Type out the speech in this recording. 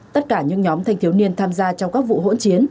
tất cả những nhóm thanh thiếu niên tham gia trong các vụ hỗn chiến